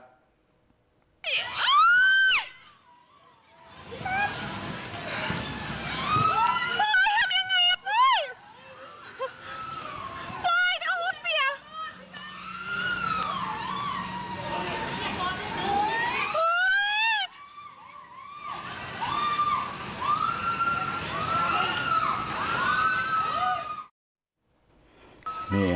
เฮ้ยทำยังไงละเฮ้ย